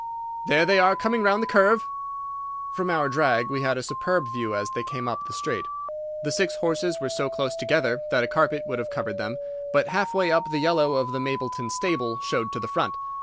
"There they are, coming round the curve!" From our drag we had a superb view as they came up the straight. The six horses were so close together that a carpet could have covered them, but half way up the yellow of the Mapleton stable showed to the front.